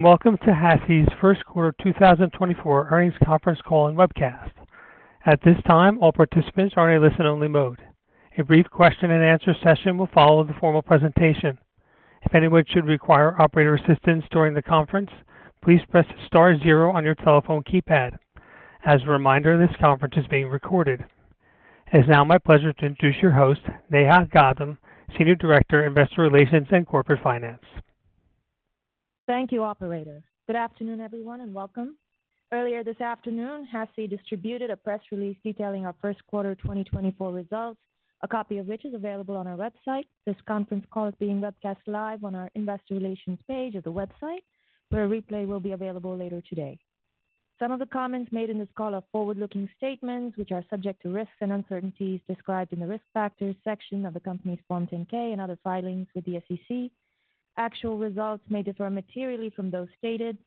Welcome to HASI's First Quarter 2024 Earnings Conference Call and Webcast. At this time, all participants are in a listen-only mode. A brief question-and-answer session will follow the formal presentation. If anyone should require operator assistance during the conference, please press star zero on your telephone keypad. As a reminder, this conference is being recorded. It is now my pleasure to introduce your host, Neha Gaddam, Senior Director, Investor Relations, and Corporate Finance. Thank you, operator. Good afternoon, everyone, and welcome. Earlier this afternoon, HASI distributed a press release detailing our first quarter 2024 results, a copy of which is available on our website. This conference call is being webcast live on our Investor Relations page of the website, where a replay will be available later today. Some of the comments made in this call are forward-looking statements, which are subject to risks and uncertainties described in the Risk Factors section of the company's Form 10-K and other filings with the SEC. Actual results may differ materially from those stated,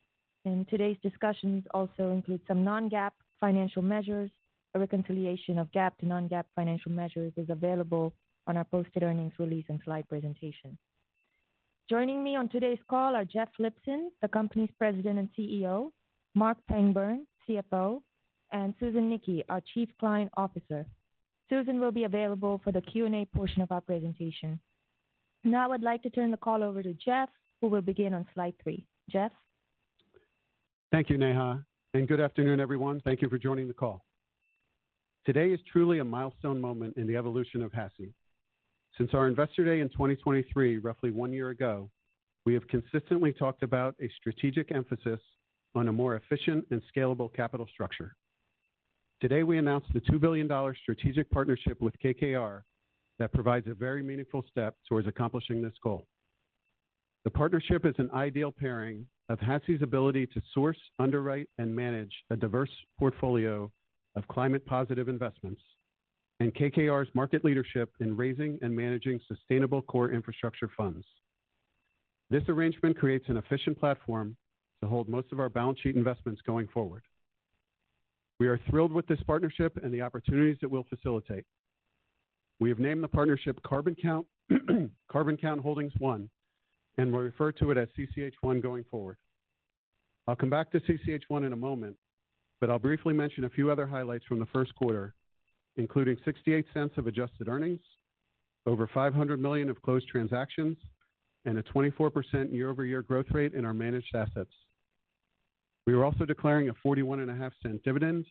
and today's discussions also include some non-GAAP financial measures. A reconciliation of GAAP to non-GAAP financial measures is available on our posted earnings release and slide presentation. Joining me on today's call are Jeff Lipson, the company's President and CEO, Marc Pangburn, CFO, and Susan Nickey, our Chief Client Officer. Susan will be available for the Q&A portion of our presentation. Now I'd like to turn the call over to Jeff, who will begin on slide three. Jeff? Thank you, Neha, and good afternoon, everyone. Thank you for joining the call. Today is truly a milestone moment in the evolution of HASI. Since our Investor Day in 2023, roughly one year ago, we have consistently talked about a strategic emphasis on a more efficient and scalable capital structure. Today we announced the $2 billion strategic partnership with KKR that provides a very meaningful step towards accomplishing this goal. The partnership is an ideal pairing of HASI's ability to source, underwrite, and manage a diverse portfolio of climate-positive investments and KKR's market leadership in raising and managing sustainable core infrastructure funds. This arrangement creates an efficient platform to hold most of our balance sheet investments going forward. We are thrilled with this partnership and the opportunities it will facilitate. We have named the partnership CarbonCount Holdings 1, and we'll refer to it as CCH1 going forward. I'll come back to CCH1 in a moment, but I'll briefly mention a few other highlights from the first quarter, including $0.68 of adjusted earnings, over $500 million of closed transactions, and a 24% year-over-year growth rate in our managed assets. We are also declaring a $0.41 dividend,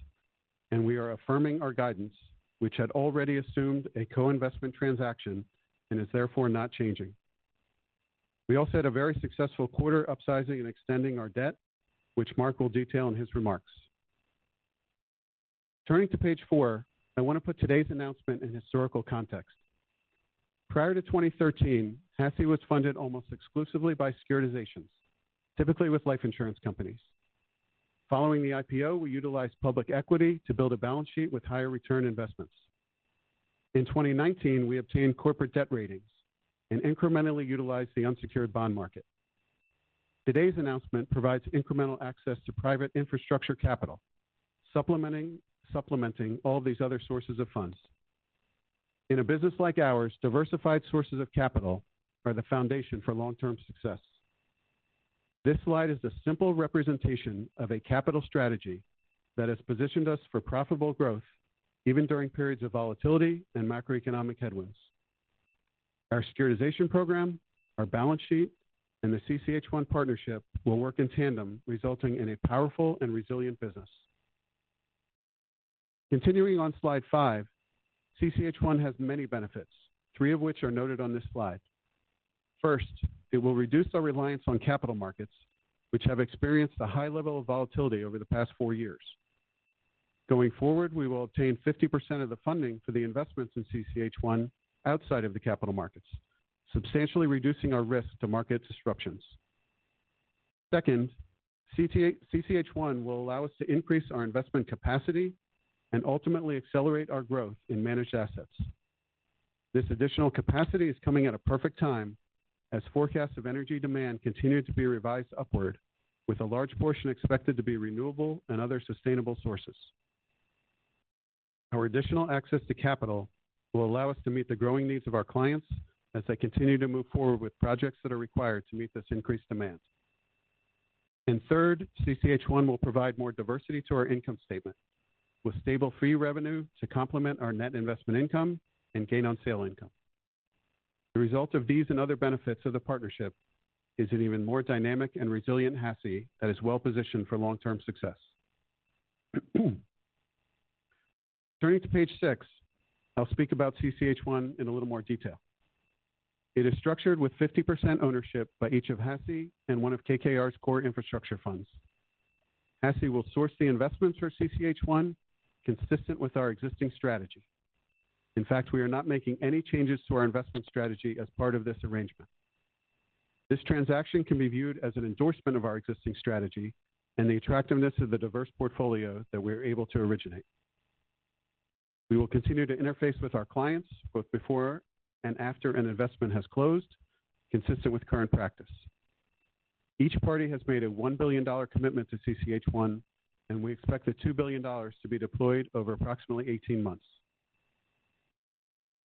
and we are affirming our guidance, which had already assumed a co-investment transaction and is therefore not changing. We also had a very successful quarter upsizing and extending our debt, which Marc will detail in his remarks. Turning to page four, I want to put today's announcement in historical context. Prior to 2013, HASI was funded almost exclusively by securitizations, typically with life insurance companies. Following the IPO, we utilized public equity to build a balance sheet with higher return investments. In 2019, we obtained corporate debt ratings and incrementally utilized the unsecured bond market. Today's announcement provides incremental access to private infrastructure capital, supplementing all of these other sources of funds. In a business like ours, diversified sources of capital are the foundation for long-term success. This slide is a simple representation of a capital strategy that has positioned us for profitable growth even during periods of volatility and macroeconomic headwinds. Our securitization program, our balance sheet, and the CCH1 partnership will work in tandem, resulting in a powerful and resilient business. Continuing on slide five, CCH1 has many benefits, three of which are noted on this slide. First, it will reduce our reliance on capital markets, which have experienced a high level of volatility over the past four years. Going forward, we will obtain 50% of the funding for the investments in CCH1 outside of the capital markets, substantially reducing our risk to market disruptions. Second, CCH1 will allow us to increase our investment capacity and ultimately accelerate our growth in managed assets. This additional capacity is coming at a perfect time as forecasts of energy demand continue to be revised upward, with a large portion expected to be renewable and other sustainable sources. Our additional access to capital will allow us to meet the growing needs of our clients as they continue to move forward with projects that are required to meet this increased demand. And third, CCH1 will provide more diversity to our income statement, with stable fee revenue to complement our net investment income and gain-on-sale income. The result of these and other benefits of the partnership is an even more dynamic and resilient HASI that is well-positioned for long-term success. Turning to page six, I'll speak about CCH1 in a little more detail. It is structured with 50% ownership by each of HASI and one of KKR's core infrastructure funds. HASI will source the investments for CCH1 consistent with our existing strategy. In fact, we are not making any changes to our investment strategy as part of this arrangement. This transaction can be viewed as an endorsement of our existing strategy and the attractiveness of the diverse portfolio that we were able to originate. We will continue to interface with our clients both before and after an investment has closed, consistent with current practice. Each party has made a $1 billion commitment to CCH1, and we expect the $2 billion to be deployed over approximately 18 months.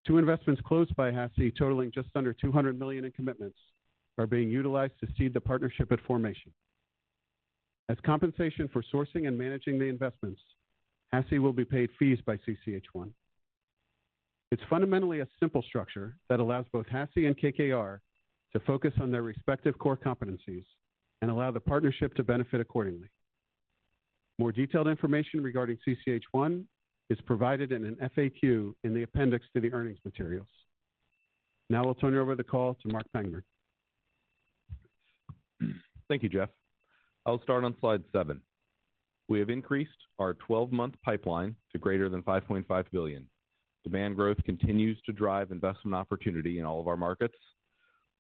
Two investments closed by HASI, totaling just under $200 million in commitments, are being utilized to seed the partnership at formation. As compensation for sourcing and managing the investments, HASI will be paid fees by CCH1. It's fundamentally a simple structure that allows both HASI and KKR to focus on their respective core competencies and allow the partnership to benefit accordingly. More detailed information regarding CCH1 is provided in an FAQ in the appendix to the earnings materials. Now I'll turn over the call to Marc Pangburn. Thank you, Jeff. I'll start on slide seven. We have increased our 12-month pipeline to greater than $5.5 billion. Demand growth continues to drive investment opportunity in all of our markets.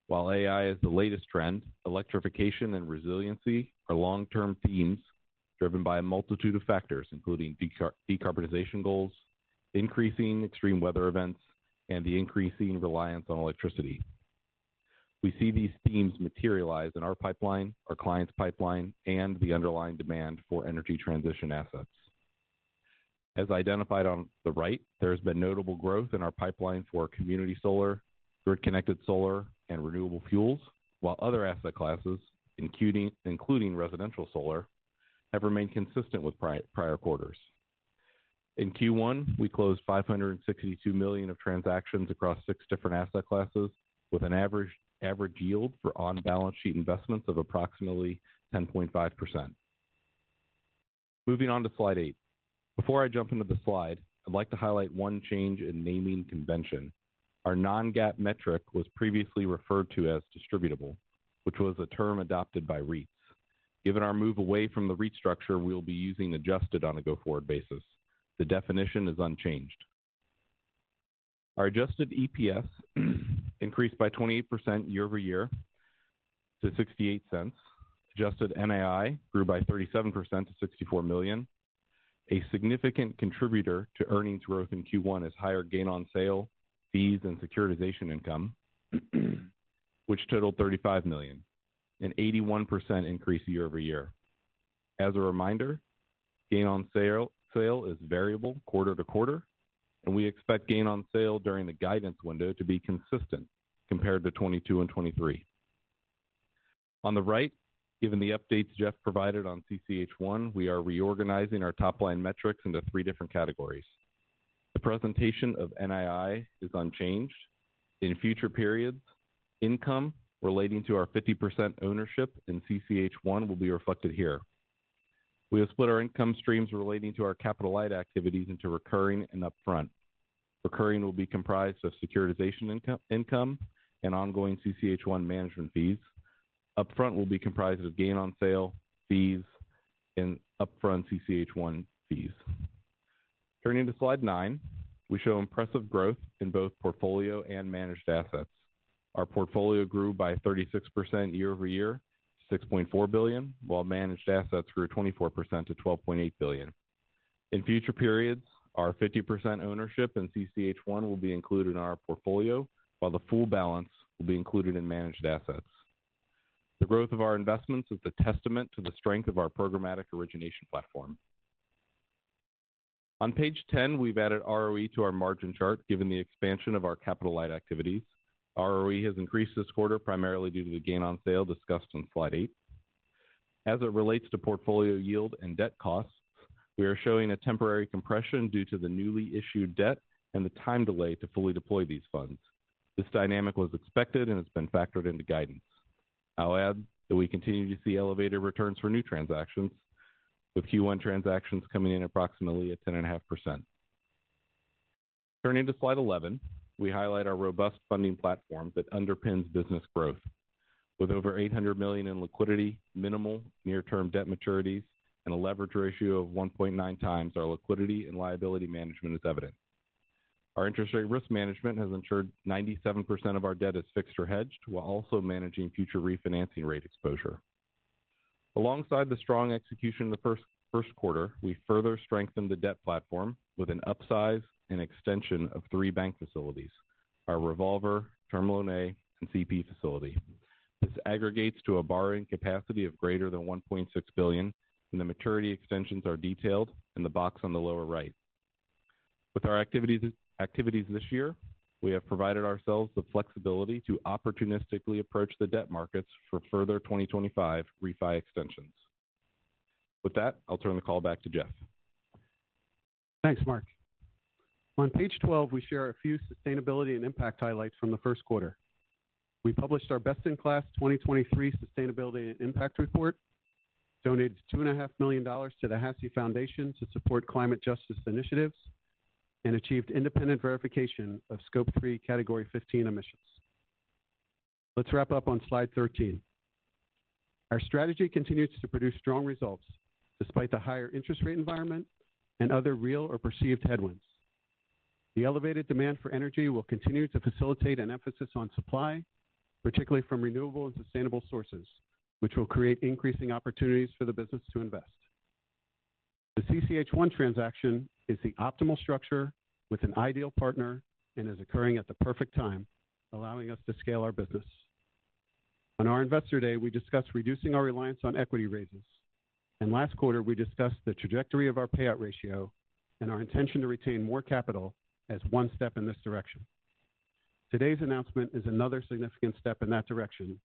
While AI is the latest trend, electrification and resiliency are long-term themes driven by a multitude of factors, including decarbonization goals, increasing extreme weather events, and the increasing reliance on electricity. We see these themes materialize in our pipeline, our clients' pipeline, and the underlying demand for energy transition assets. As identified on the right, there has been notable growth in our pipeline for community solar, grid-connected solar, and renewable fuels, while other asset classes, including residential solar, have remained consistent with prior quarters. In Q1, we closed $562 million of transactions across six different asset classes, with an average yield for on-balance sheet investments of approximately 10.5%. Moving on to slide eight. Before I jump into the slide, I'd like to highlight one change in naming convention. Our non-GAAP metric was previously referred to as distributable, which was a term adopted by REITs. Given our move away from the REIT structure, we will be using adjusted on a go-forward basis. The definition is unchanged. Our adjusted EPS increased by 28% year-over-year to $0.68. Adjusted NII grew by 37% to $64 million. A significant contributor to earnings growth in Q1 is higher gain-on-sale fees and securitization income, which totaled $35 million, an 81% increase year-over-year. As a reminder, gain-on-sale is variable quarter to quarter, and we expect gain-on-sale during the guidance window to be consistent compared to 2022 and 2023. On the right, given the updates Jeff provided on CCH1, we are reorganizing our top-line metrics into three different categories. The presentation of NII is unchanged. In future periods, income relating to our 50% ownership in CCH1 will be reflected here. We will split our income streams relating to our capital-light activities into recurring and upfront. Recurring will be comprised of securitization income and ongoing CCH1 management fees. Upfront will be comprised of gain-on-sale fees and upfront CCH1 fees. Turning to slide nine, we show impressive growth in both portfolio and managed assets. Our portfolio grew by 36% year-over-year to $6.4 billion, while managed assets grew 24% to $12.8 billion. In future periods, our 50% ownership in CCH1 will be included in our portfolio, while the full balance will be included in managed assets. The growth of our investments is the testament to the strength of our programmatic origination platform. On page 10, we've added ROE to our margin chart given the expansion of our capital-light activities. ROE has increased this quarter primarily due to the gain-on-sale discussed on slide eight. As it relates to portfolio yield and debt costs, we are showing a temporary compression due to the newly issued debt and the time delay to fully deploy these funds. This dynamic was expected and has been factored into guidance. I'll add that we continue to see elevated returns for new transactions, with Q1 transactions coming in approximately at 10.5%. Turning to slide 11, we highlight our robust funding platform that underpins business growth. With over $800 million in liquidity, minimal near-term debt maturities, and a leverage ratio of 1.9 times, our liquidity and liability management is evident. Our interest rate risk management has ensured 97% of our debt is fixed or hedged while also managing future refinancing rate exposure. Alongside the strong execution of the first quarter, we further strengthened the debt platform with an upsize and extension of three bank facilities: our revolver, Term Loan A, and CP facility. This aggregates to a borrowing capacity of greater than $1.6 billion, and the maturity extensions are detailed in the box on the lower right. With our activities this year, we have provided ourselves the flexibility to opportunistically approach the debt markets for further 2025 refi extensions. With that, I'll turn the call back to Jeff. Thanks, Marc. On page 12, we share a few sustainability and impact highlights from the first quarter. We published our best-in-class 2023 Sustainability and Impact Report, donated $2.5 million to the HASI Foundation to support climate justice initiatives, and achieved independent verification of Scope 3 Category 15 emissions. Let's wrap up on slide 13. Our strategy continues to produce strong results despite the higher interest rate environment and other real or perceived headwinds. The elevated demand for energy will continue to facilitate an emphasis on supply, particularly from renewable and sustainable sources, which will create increasing opportunities for the business to invest. The CCH1 transaction is the optimal structure with an ideal partner and is occurring at the perfect time, allowing us to scale our business. On our Investor Day, we discussed reducing our reliance on equity raises. Last quarter, we discussed the trajectory of our payout ratio and our intention to retain more capital as one step in this direction. Today's announcement is another significant step in that direction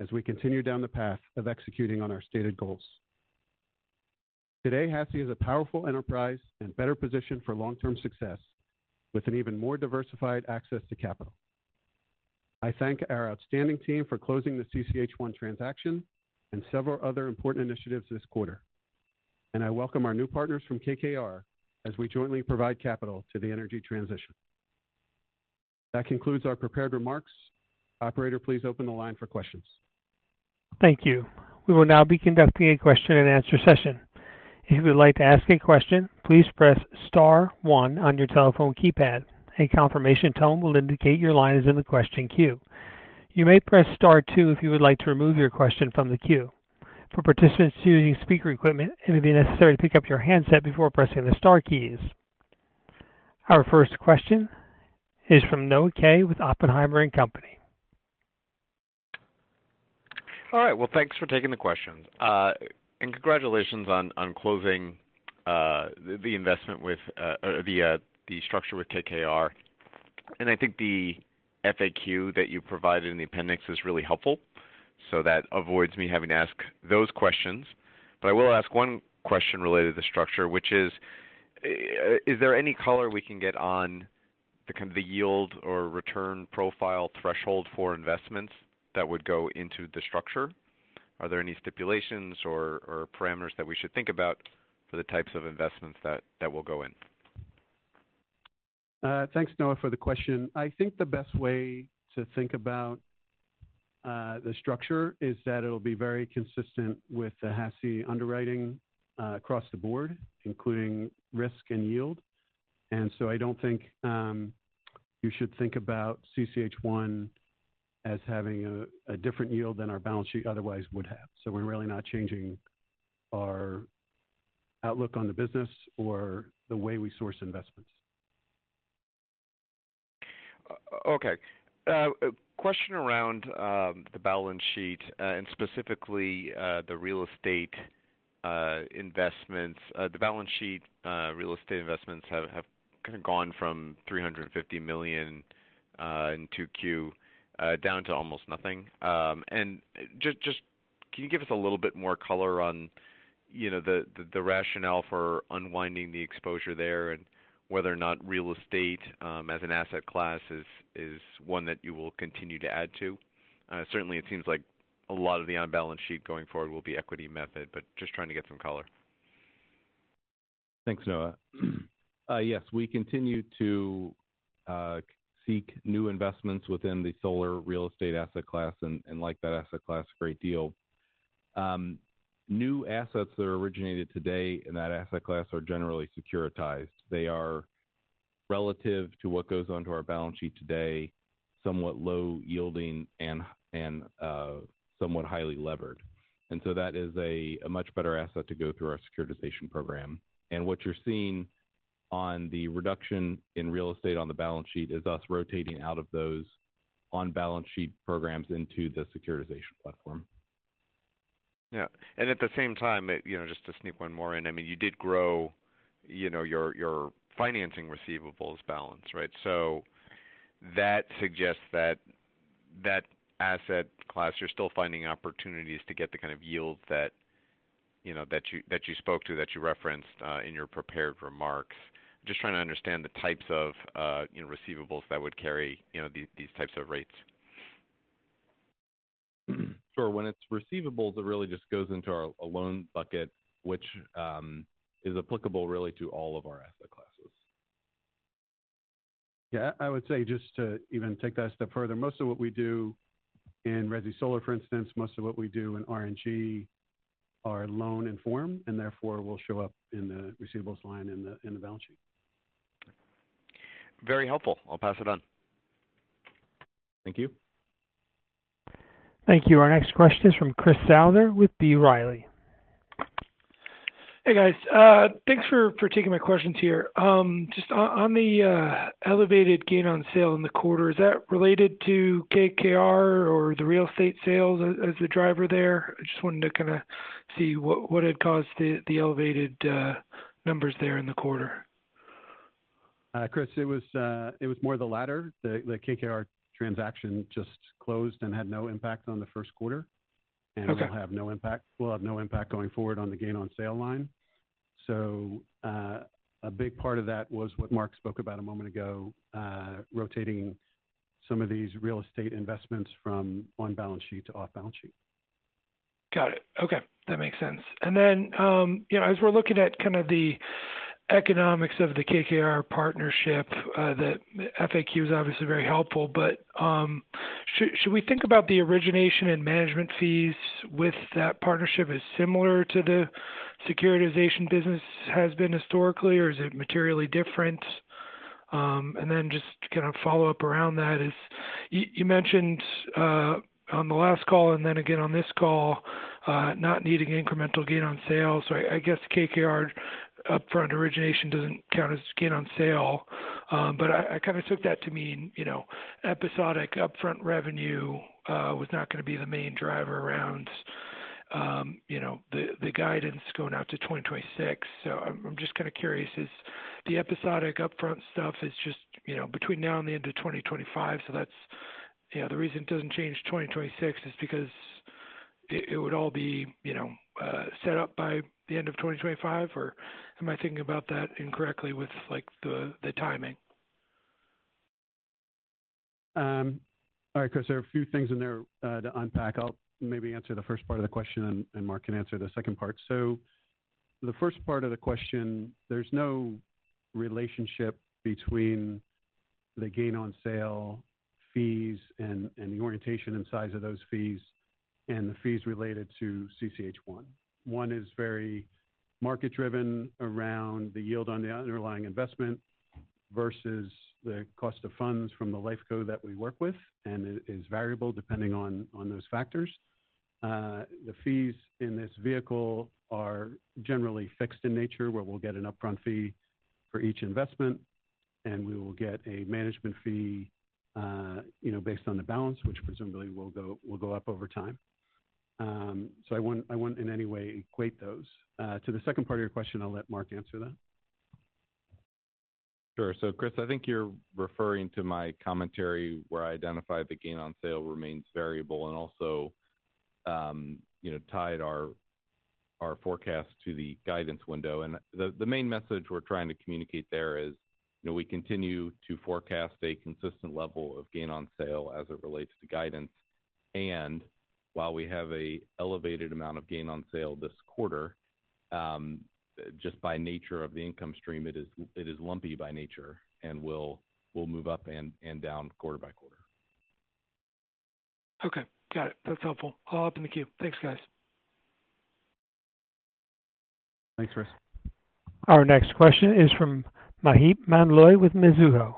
as we continue down the path of executing on our stated goals. Today, HASI is a powerful enterprise and better positioned for long-term success with an even more diversified access to capital. I thank our outstanding team for closing the CCH1 transaction and several other important initiatives this quarter. I welcome our new partners from KKR as we jointly provide capital to the energy transition. That concludes our prepared remarks. Operator, please open the line for questions. Thank you. We will now be conducting a question-and-answer session. If you would like to ask a question, please press star one on your telephone keypad. A confirmation tone will indicate your line is in the question queue. You may press star two if you would like to remove your question from the queue. For participants using speaker equipment, it may be necessary to pick up your handset before pressing the star keys. Our first question is from Noah Kaye with Oppenheimer & Company. All right. Well, thanks for taking the questions. Congratulations on closing the investment with the structure with KKR. I think the FAQ that you provided in the appendix is really helpful, so that avoids me having to ask those questions. But I will ask one question related to the structure, which is, is there any color we can get on the yield or return profile threshold for investments that would go into the structure? Are there any stipulations or parameters that we should think about for the types of investments that will go in? Thanks, Noah, for the question. I think the best way to think about the structure is that it'll be very consistent with the HASI underwriting across the board, including risk and yield. And so I don't think you should think about CCH1 as having a different yield than our balance sheet otherwise would have. So we're really not changing our outlook on the business or the way we source investments. Okay. Question around the balance sheet and specifically the real estate investments. The balance sheet real estate investments have kind of gone from $350 million in Q2 down to almost nothing. And just can you give us a little bit more color on the rationale for unwinding the exposure there and whether or not real estate as an asset class is one that you will continue to add to? Certainly, it seems like a lot of the on-balance sheet going forward will be equity method, but just trying to get some color. Thanks, Noah. Yes, we continue to seek new investments within the solar real estate asset class and like that asset class a great deal. New assets that are originated today in that asset class are generally securitized. They are relative to what goes onto our balance sheet today somewhat low-yielding and somewhat highly levered. And so that is a much better asset to go through our securitization program. And what you're seeing on the reduction in real estate on the balance sheet is us rotating out of those on-balance sheet programs into the securitization platform. Yeah. At the same time, just to sneak one more in, I mean, you did grow your financing receivables balance, right? So that suggests that asset class, you're still finding opportunities to get the kind of yield that you spoke to, that you referenced in your prepared remarks. Just trying to understand the types of receivables that would carry these types of rates. Sure. When it's receivables, it really just goes into our loan bucket, which is applicable really to all of our asset classes. Yeah. I would say just to even take that a step further, most of what we do in resi solar, for instance, most of what we do in RNG are loan-informed, and therefore, will show up in the receivables line in the balance sheet. Very helpful. I'll pass it on. Thank you. Thank you. Our next question is from Chris Souther with B. Riley. Hey, guys. Thanks for taking my questions here. Just on the elevated gain-on-sale in the quarter, is that related to KKR or the real estate sales as the driver there? I just wanted to kind of see what had caused the elevated numbers there in the quarter. Chris, it was more the latter. The KKR transaction just closed and had no impact on the first quarter. And we'll have no impact going forward on the gain-on-sale line. So a big part of that was what Marc spoke about a moment ago, rotating some of these real estate investments from on-balance sheet to off-balance sheet. Got it. Okay. That makes sense. And then as we're looking at kind of the economics of the KKR partnership, the FAQ is obviously very helpful, but should we think about the origination and management fees with that partnership as similar to the securitization business has been historically, or is it materially different? And then just kind of follow up around that is you mentioned on the last call and then again on this call not needing incremental gain-on-sale. So I guess KKR upfront origination doesn't count as gain-on-sale. But I kind of took that to mean episodic upfront revenue was not going to be the main driver around the guidance going out to 2026. So I'm just kind of curious, is the episodic upfront stuff is just between now and the end of 2025? The reason it doesn't change 2026 is because it would all be set up by the end of 2025, or am I thinking about that incorrectly with the timing? All right, Chris. There are a few things in there to unpack. I'll maybe answer the first part of the question, and Marc can answer the second part. So the first part of the question, there's no relationship between the gain-on-sale fees and the orientation and size of those fees and the fees related to CCH1. One is very market-driven around the yield on the underlying investment versus the cost of funds from the lifeco that we work with, and it is variable depending on those factors. The fees in this vehicle are generally fixed in nature, where we'll get an upfront fee for each investment, and we will get a management fee based on the balance, which presumably will go up over time. So I wouldn't in any way equate those. To the second part of your question, I'll let Marc answer that. Sure. So Chris, I think you're referring to my commentary where I identify the gain-on-sale remains variable and also tied our forecast to the guidance window. The main message we're trying to communicate there is we continue to forecast a consistent level of gain-on-sale as it relates to guidance. While we have an elevated amount of gain-on-sale this quarter, just by nature of the income stream, it is lumpy by nature and will move up and down quarter by quarter. Okay. Got it. That's helpful. I'll jump in the queue. Thanks, guys. Thanks, Chris. Our next question is from Maheep Mandloi with Mizuho.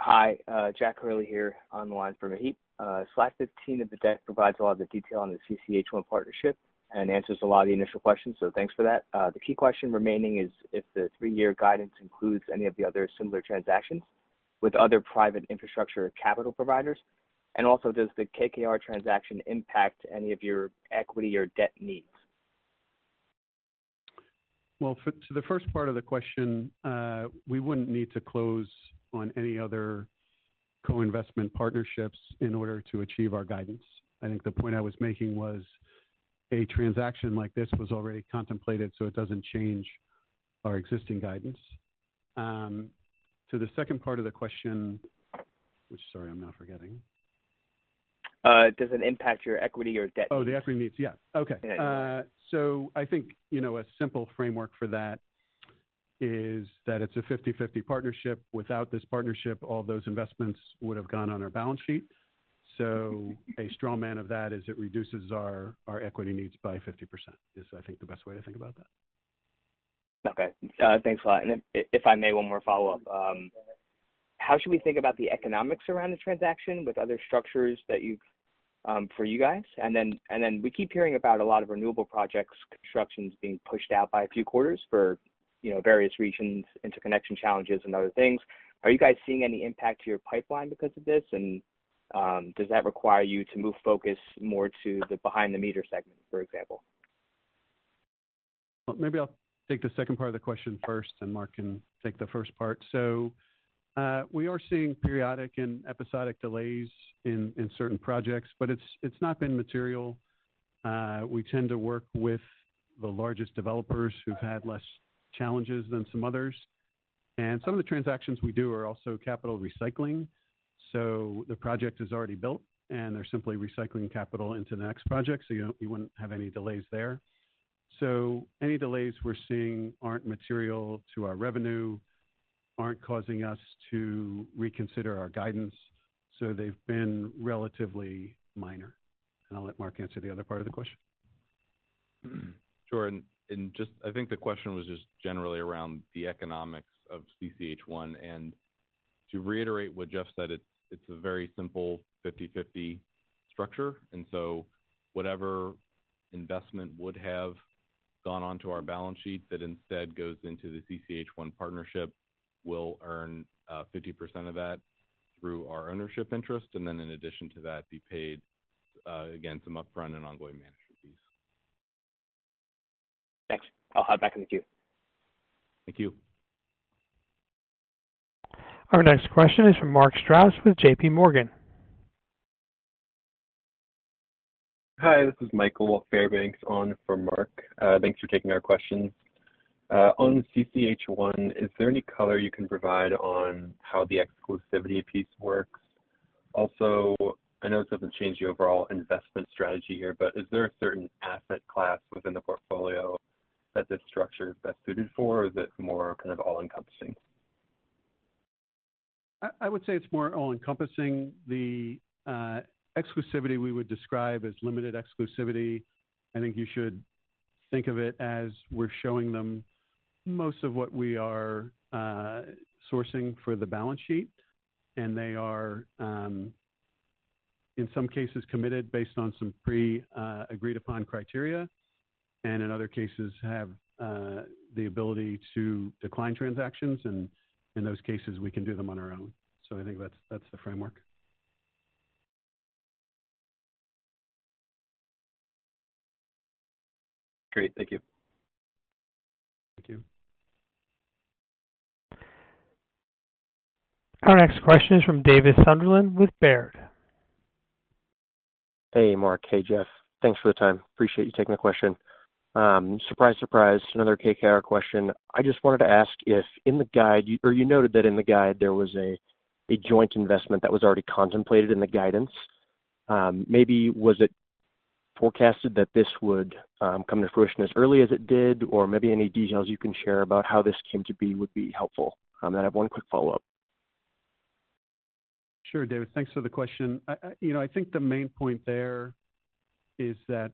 Hi. Jack Hurley here on the line from Mizuho. Slide 15 of the deck provides a lot of the detail on the CCH1 partnership and answers a lot of the initial questions, so thanks for that. The key question remaining is if the three-year guidance includes any of the other similar transactions with other private infrastructure capital providers. Also, does the KKR transaction impact any of your equity or debt needs? Well, to the first part of the question, we wouldn't need to close on any other co-investment partnerships in order to achieve our guidance. I think the point I was making was a transaction like this was already contemplated, so it doesn't change our existing guidance. To the second part of the question, which, sorry, I'm now forgetting. Does it impact your equity or debt needs? Oh, the equity needs. Yeah. Okay. So I think a simple framework for that is that it's a 50/50 partnership. Without this partnership, all those investments would have gone on our balance sheet. So a straw man of that is it reduces our equity needs by 50% is, I think, the best way to think about that. Okay. Thanks a lot. And if I may, one more follow-up. How should we think about the economics around the transaction with other structures for you guys? And then we keep hearing about a lot of renewable projects' constructions being pushed out by a few quarters for various regions, interconnection challenges, and other things. Are you guys seeing any impact to your pipeline because of this? And does that require you to move focus more to the behind-the-meter segment, for example? Well, maybe I'll take the second part of the question first, and Marc can take the first part. So we are seeing periodic and episodic delays in certain projects, but it's not been material. We tend to work with the largest developers who've had less challenges than some others. And some of the transactions we do are also capital recycling. So the project is already built, and they're simply recycling capital into the next project, so you wouldn't have any delays there. So any delays we're seeing aren't material to our revenue, aren't causing us to reconsider our guidance. So they've been relatively minor. And I'll let Marc answer the other part of the question. Sure. I think the question was just generally around the economics of CCH1. To reiterate what Jeff said, it's a very simple 50/50 structure. Whatever investment would have gone onto our balance sheet that instead goes into the CCH1 partnership will earn 50% of that through our ownership interest and then, in addition to that, be paid, again, some upfront and ongoing management fees. Thanks. I'll hop back in the queue. Thank you. Our next question is from Mark Strouse with J.P. Morgan. Hi. This is Michael Fairbanks on for Mark. Thanks for taking our questions. On CCH1, is there any color you can provide on how the exclusivity piece works? Also, I know this doesn't change the overall investment strategy here, but is there a certain asset class within the portfolio that this structure is best suited for, or is it more kind of all-encompassing? I would say it's more all-encompassing. The exclusivity we would describe as limited exclusivity, I think you should think of it as we're showing them most of what we are sourcing for the balance sheet. And they are, in some cases, committed based on some pre-agreed-upon criteria, and in other cases, have the ability to decline transactions. And in those cases, we can do them on our own. So I think that's the framework. Great. Thank you. Thank you. Our next question is from Davis Sunderland with Baird. Hey, Marc. Hey, Jeff. Thanks for the time. Appreciate you taking the question. Surprise, surprise, another KKR question. I just wanted to ask if in the guide or you noted that in the guide, there was a joint investment that was already contemplated in the guidance. Maybe was it forecasted that this would come to fruition as early as it did, or maybe any details you can share about how this came to be would be helpful. And I have one quick follow-up. Sure, Davis. Thanks for the question. I think the main point there is that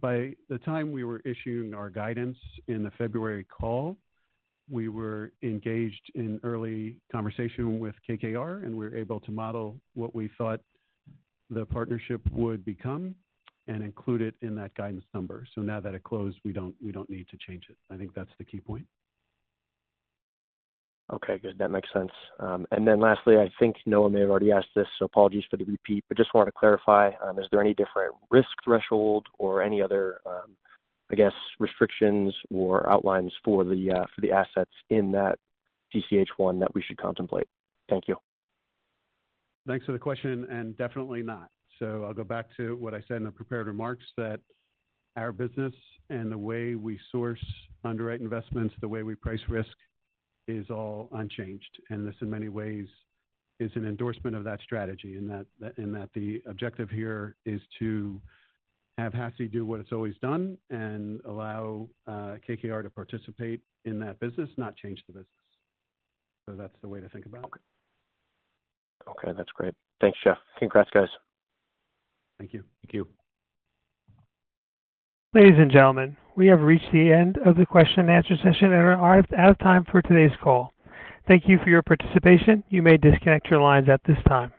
by the time we were issuing our guidance in the February call, we were engaged in early conversation with KKR, and we were able to model what we thought the partnership would become and include it in that guidance number. So now that it closed, we don't need to change it. I think that's the key point. Okay. Good. That makes sense. And then lastly, I think Noah may have already asked this, so apologies for the repeat, but just wanted to clarify, is there any different risk threshold or any other, I guess, restrictions or outlines for the assets in that CCH1 that we should contemplate? Thank you. Thanks for the question, and definitely not. So I'll go back to what I said in the prepared remarks, that our business and the way we source, underwrite investments, the way we price risk, is all unchanged. And this, in many ways, is an endorsement of that strategy in that the objective here is to have HASI do what it's always done and allow KKR to participate in that business, not change the business. So that's the way to think about it. Okay. That's great. Thanks, Jeff. Congrats, guys. Thank you. Thank you. Ladies and gentlemen, we have reached the end of the question-and-answer session, and we're out of time for today's call. Thank you for your participation. You may disconnect your lines at this time.